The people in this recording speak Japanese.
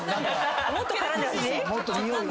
もっと絡んでほしい？